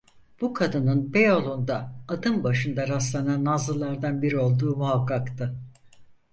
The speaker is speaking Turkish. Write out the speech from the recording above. Bu kadının Beyoğlu’nda adım başında rastlanan nazlılardan biri olduğu muhakkaktı.